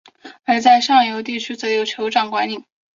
而在上游地区则由酋长管领。